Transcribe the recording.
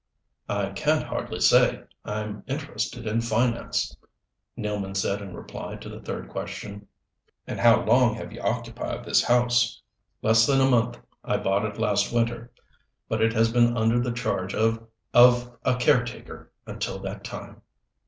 "I can't hardly say I'm interested in finance," Nealman said in reply to the third question. "And how long have you occupied this house?" "Less than a month. I bought it last winter, but it has been under the charge of of a caretaker until that time."